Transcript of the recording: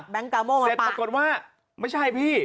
เสร็จปรากฏว่าไม่ใช่พี่